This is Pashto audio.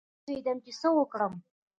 نه پوهېدم چې څه وکړم.